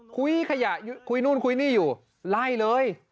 คุยขยะคุยนู่นคุยนี่อยู่ไล่เลย